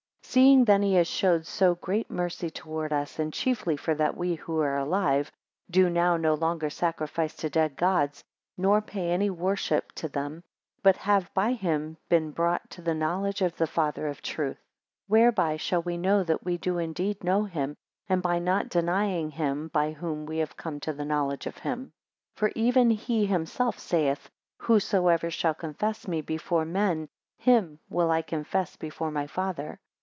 8 Seeing then he has showed so great mercy towards us; and chiefly for that we who are alive, do now no longer sacrifice to dead Gods, nor pay any worship to them, but have by him been brought to the knowledge of the Father of truth. 9 Whereby shall we show that we do indeed know him, and by not denying him by whom we have come to the knowledge of him. 10 For even he himself saith, Whosoever shall confess me before men, him will I confess before my Father.